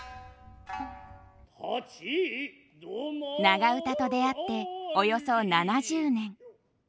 長唄と出会っておよそ７０年。